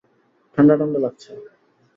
ঠাণ্ডা ঠাণ্ডা লাগছে।